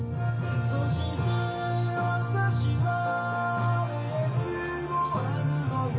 そして私はレースを編むのよ